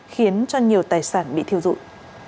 khiến nhiều tài sản bị thiêu dụng